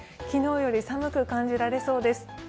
昨日より寒く感じられそうです。